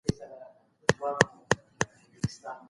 غمازان ډیر دي